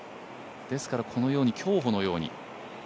ですから、このように競歩のように。